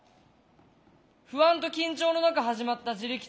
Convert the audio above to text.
不安と緊張の中始まった「自力通学」初日